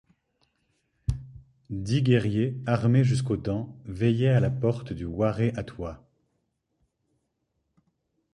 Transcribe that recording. Dix guerriers, armés jusqu’aux dents, veillaient à la porte du Waré-Atoua.